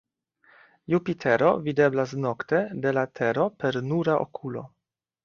Jupitero videblas nokte de la Tero per nura okulo.